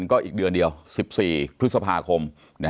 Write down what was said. ก็อีกเดือนเดียว๑๔พฤษภาคม